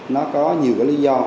nó có nhiều lý do